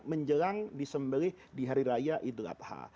akan menjelang disembelih di hari raya idlat ha